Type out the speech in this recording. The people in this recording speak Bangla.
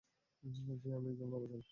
জি, আমি একজন নভোচারী।